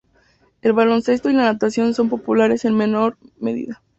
El baloncesto y la natación son populares en menor medida.